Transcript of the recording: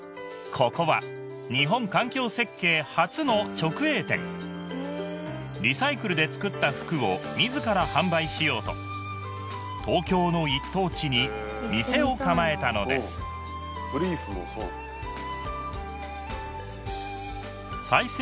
ここは日本環境設計初の直営店リサイクルで作った服をみずから販売しようと東京の一等地に店を構えたのです再生